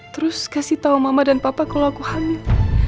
terus kasih tau mama dan papa kalo aku hamil